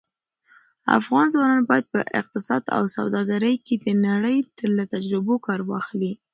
افغان ځوانان باید په اقتصاد او سوداګرۍ کې د نړۍ له تجربو کار واخلي.